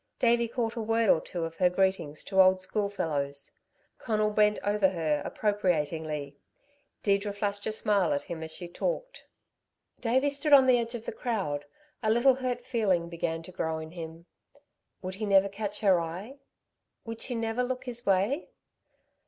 Davey caught a word or two of her greetings to old schoolfellows. Conal bent over her appropriatingly. Deirdre flashed a smile at him as she talked. Davey stood on the edge of the crowd. A little hurt feeling began to grow in him. Would he never catch her eye? Would she never look his way?